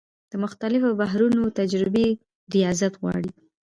د مختلفو بحرونو تجربې ریاضت غواړي.